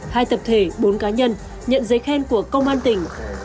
hai tập thể bốn cá nhân nhận giấy khen của công an tỉnh